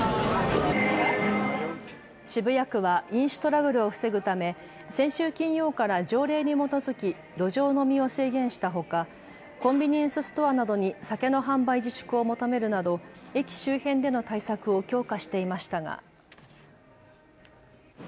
渋谷区は飲酒トラブルを防ぐため先週金曜から条例に基づき路上飲みを制限したほか、コンビニエンスストアなどに酒の販売自粛を求めるなど駅周辺での対策を強化していましたが。